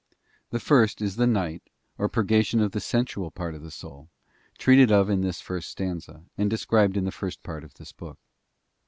The first is the night, or purgation of the sensual part of the soul, treated of in this first stanza, and described in the first part of this work.